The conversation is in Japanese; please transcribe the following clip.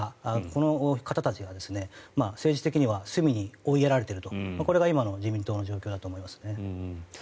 この方たちが政治的には隅に追いやられているこれが今の自民党の状況です。